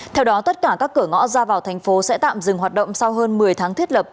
theo đó tất cả các cửa ngõ ra vào thành phố sẽ tạm dừng hoạt động sau hơn một mươi tháng thiết lập